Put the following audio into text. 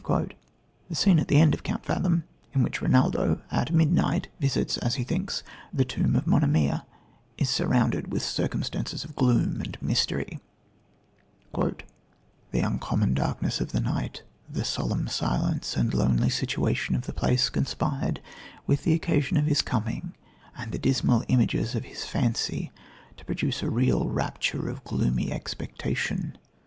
" The scene in Count Fathom, in which Renaldo, at midnight, visits, as he thinks, the tomb of Monimia, is surrounded with circumstances of gloom and mystery: "The uncommon darkness of the night, the solemn silence and lonely situation of the place, conspired with the occasion of his coming and the dismal images of his fancy, to produce a real rapture of gloomy expectation...